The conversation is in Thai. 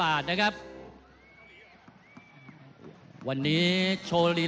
ท่านแรกครับจันทรุ่ม